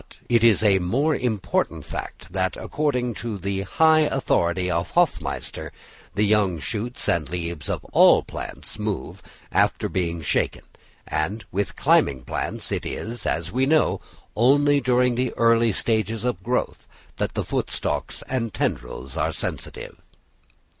It is a more important fact that according to the high authority of Hofmeister, the young shoots and leaves of all plants move after being shaken; and with climbing plants it is, as we know, only during the early stages of growth that the foot stalks and tendrils are sensitive.